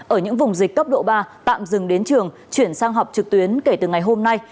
ở những vùng dịch cấp độ ba tạm dừng đến trường chuyển sang học trực tuyến kể từ ngày hôm nay